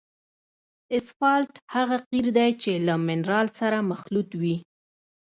اسفالټ هغه قیر دی چې له منرال سره مخلوط وي